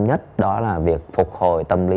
nhất đó là việc phục hồi tâm lý